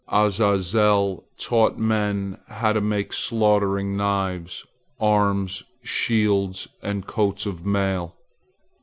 Azazel taught men how to make slaughtering knives, arms, shields, and coats of mail.